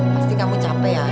pasti kamu capek ya